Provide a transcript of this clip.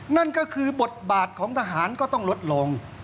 นั่นก็คือบทบาทของทหารก็ต้องลดลง